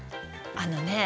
あのねえ。